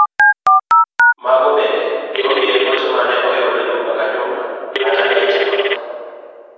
Mago bende nomiye gocho mane oyudo juma ka juma kata e chakruok.